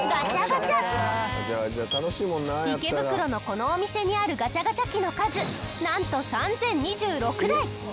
池袋のこのお店にあるガチャガチャ機の数なんと３０２６台！